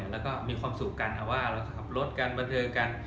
แล้วก็มีความสุขกันว่าเราขับรถกันบันเทิงกัน